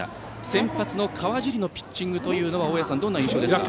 先発の川尻のピッチングは大矢さん、どんな印象ですか？